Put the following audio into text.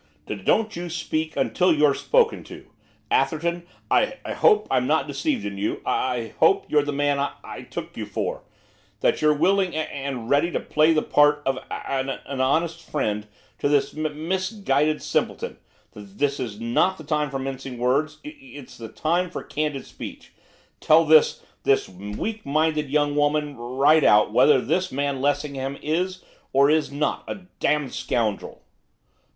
'D don't you speak until you're spoken to! Atherton, I I hope I'm not deceived in you; I I hope you're the man I I took you for; that you're willing and and ready to play the part of a a an honest friend to this mis misguided simpleton. T this is not the time for mincing words, it it's the time for candid speech. Tell this this weak minded young woman, right out, whether this man Lessingham is, or is not, a damned scoundrel.